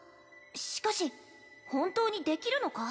しかし本当にできるのか？